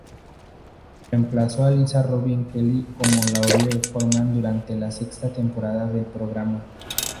Reemplazó a Lisa Robin Kelly como Laurie Forman durante la sexta temporada del programa.